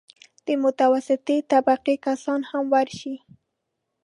د متوسطې طبقې کسان هم ورشي.